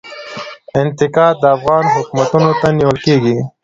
انتقاد افغان حکومتونو ته نیول کیږي.